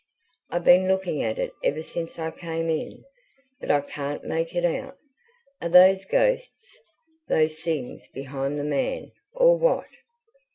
I've been looking at it ever since I came in, but I can't make it out. Are those ghosts, those things behind the man, or what?"